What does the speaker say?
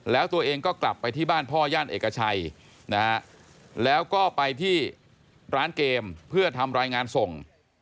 แล้วตัวเองก็กลับไปที่บ้านพ่อย่านเอกชัยนะฮะแล้วก็ไปที่ร้านเกมเพื่อทำรายงานส่ง